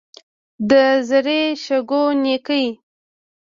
د زري شګو نینکې.